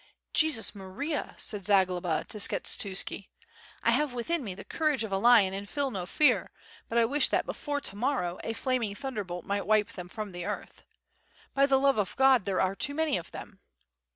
"Jesus Maria!" said Zagloba to Skshetuski. "I have within me the courage of a lion and feel no fear, but I wish that before to morrow a flaming thunderbolt might wipe them from the earth. By the love of God, there are too many of them.